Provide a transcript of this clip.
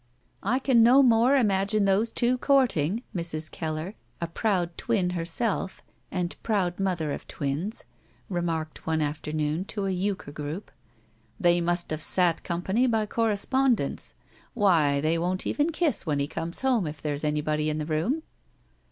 '*I can no more imagine those two courting," Mrs. Keller, a proud twin herself and proud mother of twins, remarked one afternoon to a euchre group. "They must have sat company by correspondence. Why, they won't even kiss when he comes home if there's anybody in the room!"